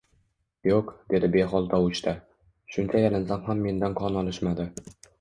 Yo`q, dedi behol tovushda, Shuncha yalinsam ham mendan qon olishmadi